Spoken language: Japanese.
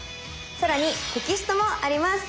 更にテキストもあります。